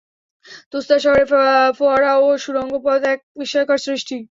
তুসতার শহরের ফোয়ারা ও তার সুড়ঙ্গ পথ এক বিস্ময়কর সৃষ্টি।